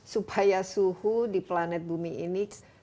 supaya suhu di planet bumi ini